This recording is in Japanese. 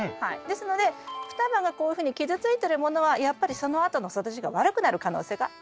ですので双葉がこういうふうに傷ついてるものはやっぱりそのあとの育ちが悪くなる可能性が高いです。